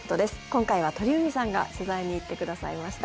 今回は鳥海さんが取材に行ってくださいました。